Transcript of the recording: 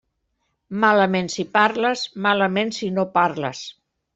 Malament si parles, malament si no parles.